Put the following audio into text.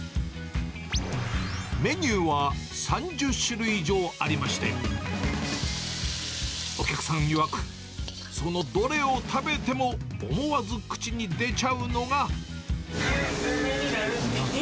メニューは３０種類以上ありまして、お客さんいわく、そのどれを食べても、思わず口に出ちゃうのうまい。